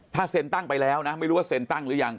ถ้าเซ็นตั้งไปแล้วนะไม่รู้ว่าเซ็นตั้งหรือยัง